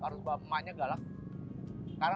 tapi lebih pendek orang lain